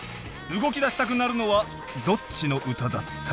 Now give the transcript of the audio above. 動きだしたくなるのはどっちの歌だった？